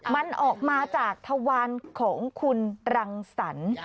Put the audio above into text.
มันออกมาจากทวารของคุณรังสรรค์